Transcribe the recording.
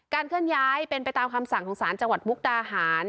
เคลื่อนย้ายเป็นไปตามคำสั่งของสารจังหวัดมุกดาหาร